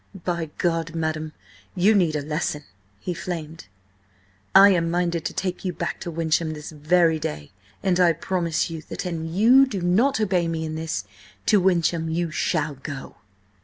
"By God, madam, you need a lesson!" he flamed. "I am minded to take you back to Wyncham this very day! And I promise you that, an you do not obey me in this, to Wyncham you shall go!"